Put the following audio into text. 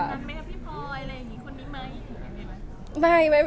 แนะนำไม่ให้พี่พลอยอะไรอย่างนี้คนนี้ไหม